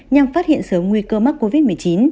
nhằm phát hiện sớm nguy cơ mắc covid một mươi chín